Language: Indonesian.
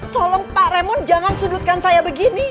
tolong pak remon jangan sudutkan saya begini